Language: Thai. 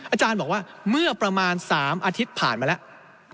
อาจารย์บอกว่าเมื่อประมาณ๓อาทิตย์ผ่านมาแล้ว